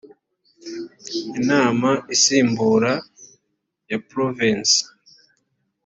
inama isimbura ya provensi